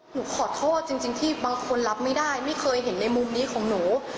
หนูขอโทษจริงที่บางคนรับไม่ได้ไม่เคยเห็นในมุมนี้ของหนู